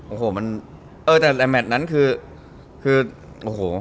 โอ้โหแต่แมทนั้นคือโอ้โห